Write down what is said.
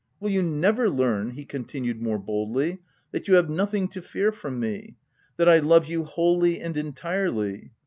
Will you never learn V he continued more boldly, " that you have nothing to fear from me ? that I love you wholly and entirely